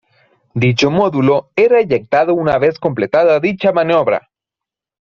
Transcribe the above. Dicho módulo era eyectado una vez completada dicha maniobra.